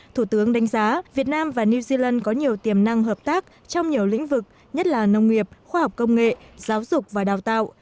thủ tướng đánh giá việt nam và new zealand có nhiều tiềm năng hợp tác trong nhiều lĩnh vực nhất là nông nghiệp khoa học công nghệ giáo dục và đào tạo